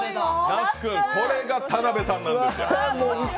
那須君、これが田辺さんなんですよ。